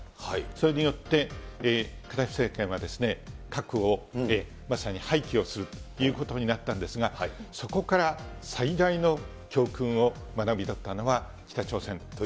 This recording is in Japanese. それによって、カダフィ政権は、核をまさに廃棄をするということになったんですが、そこから最大の教訓を学び取ったのは北朝鮮と。